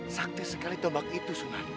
sakti sekali tombak itu